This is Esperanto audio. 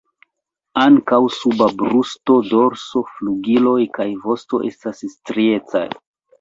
Ankaŭ suba brusto, dorso, flugiloj kaj vosto estas striecaj.